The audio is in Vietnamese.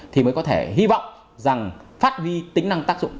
thì mới có thể hy vọng rằng phát huy tính năng tác dụng